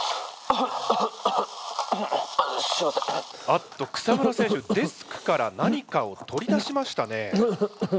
あっと草村選手デスクから何かを取り出しましたね。